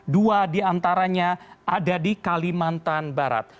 dua di antaranya ada di kalimantan barat